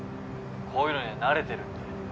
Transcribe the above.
こういうのには慣れてるんで。